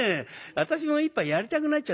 私も一杯やりたくなっちゃったな。